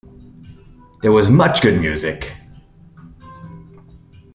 There was much good music.